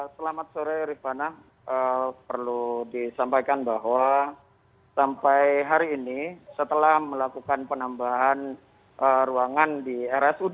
selamat sore rifana perlu disampaikan bahwa sampai hari ini setelah melakukan penambahan ruangan di rsud